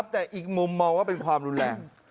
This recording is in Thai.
แต่อีกมุมมองว่าเป็นความรุนแรง